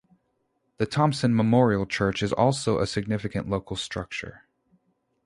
The Thomson Memorial church is also a significant local structure.